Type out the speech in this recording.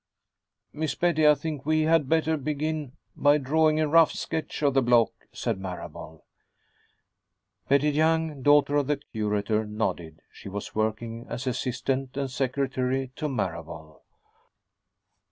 "Miss Betty, I think we had better begin by drawing a rough sketch of the block," said Marable. Betty Young, daughter of the curator, nodded. She was working as assistant and secretary to Marable.